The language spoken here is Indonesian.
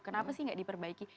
kenapa sih gak diperbaiki